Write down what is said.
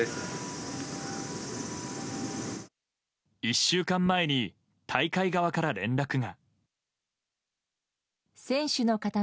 １週間前に大会側から連絡が。